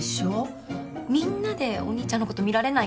みんなでお兄ちゃんの事見られないかな？